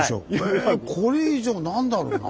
えこれ以上何だろうな。